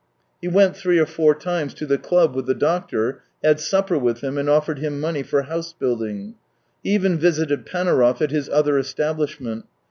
He went three or THREE YEARS 213 four times to the club with the doctor, had supper with him, and offered him money for house building. He even visited Panaurov at his other establishment.